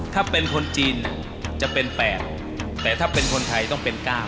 ถ้าเป็นคนจีนจะเป็น๘แต่ถ้าเป็นคนไทยต้องเป็น๙